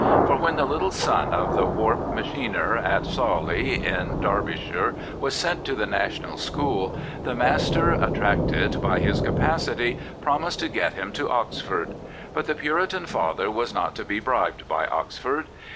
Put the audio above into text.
For when the little son of thejw^ machiner at Sawley, in Derbyshire, was sent to the National School, the master, attracted by his capacity, promised to get him to Oxford, But the Puritan father was not to be bribed by Oxford.